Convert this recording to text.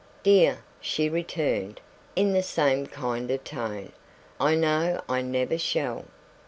"Dear," she returned, in the same kind of tone, "I know I never shall."